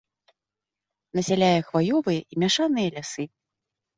Насяляе хваёвыя і мяшаныя лясы.